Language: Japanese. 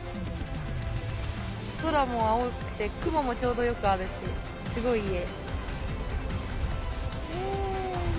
空も青くて雲もちょうどよくあるしすごいいい画。